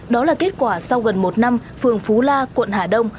đó là kết quả sau gần một năm phường phú la quận hà đông